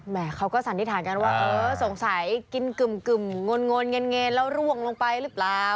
เขาก็สันนิษฐานกันว่าเออสงสัยกินกึ่มงนเงนแล้วร่วงลงไปหรือเปล่า